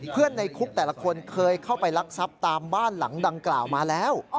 ในคุกแต่ละคนเคยเข้าไปรักทรัพย์ตามบ้านหลังดังกล่าวมาแล้ว